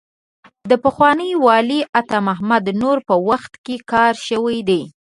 د پخواني والي عطا محمد نور په وخت کې کار شوی دی.